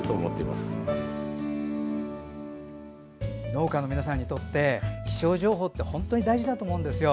農家の皆さんにとって気象情報って本当に大事だと思うんですよ。